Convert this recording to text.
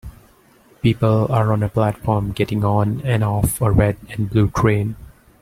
People are on a platform getting on and off of a red and blue train.